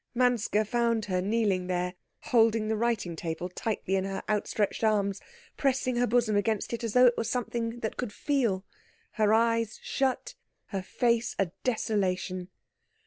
Manske found her kneeling there, holding the writing table tightly in her outstretched arms, pressing her bosom against it as though it were something that could feel, her eyes shut, her face a desolation.